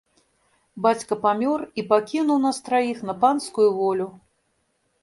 Бацька памёр і пакінуў нас траіх на панскую волю.